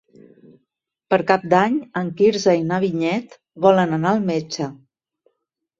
Per Cap d'Any en Quirze i na Vinyet volen anar al metge.